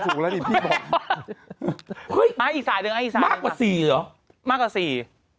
ถูกแล้วดิพี่บอกอีกสายหนึ่งอีกสายหนึ่งมากกว่าสี่หรอมากกว่าสี่